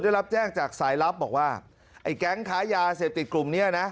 ได้รับแจ้งจากสายลับบอกว่าไอ้แก๊งค้ายาเสพติดกลุ่มเนี้ยนะ